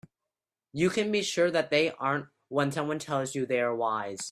You can be sure that they aren't when someone tells you they are wise.